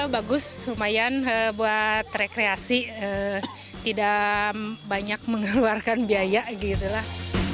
bagus lumayan buat rekreasi tidak banyak mengeluarkan biaya gitu lah